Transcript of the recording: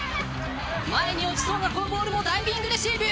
前に落ちそうなこのボールもダイビングレシーブ。